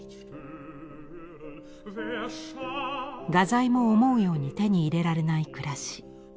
画材も思うように手に入れられない暮らし。